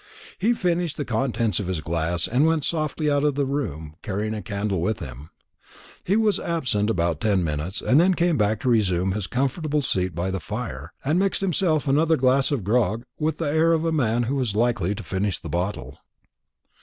He finished the contents of his glass, and went softly out of the room, carrying a candle with him. He was absent about ten minutes, and then came back to resume his comfortable seat by the fire, and mixed himself another glass of grog with the air of a man who was likely to finish the bottle.